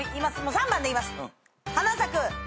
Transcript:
３番でいきます。